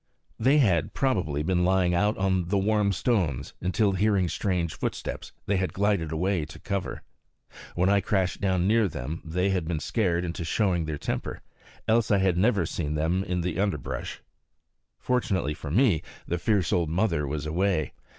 They had, probably, been lying out on the warm stones, until, hearing strange footsteps, they had glided away to cover. When I crashed down near them they had been scared into showing their temper; else I had never seen them in the underbrush. Fortunately for me, the fierce old mother was away.